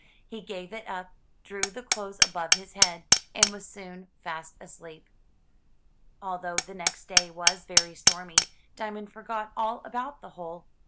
He gave it up, drew the clothes above his head, and was soon fast asleep. Although the next day was very stormy. Diamond forgot all about the hole.